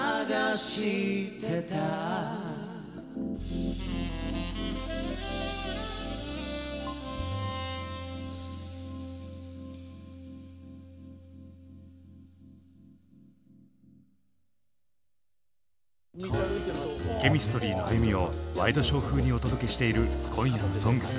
ＣＨＥＭＩＳＴＲＹの歩みをワイドショー風にお届けしている今夜の「ＳＯＮＧＳ」。